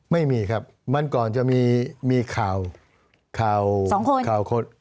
ไม่มีครับมันก่อนจะมีข่าว๒คน